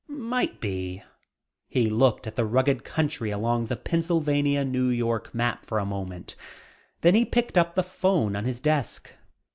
"Might be." He looked at the rugged country along the Pennsylvania, New York map for a moment, then he picked up the phone on his desk.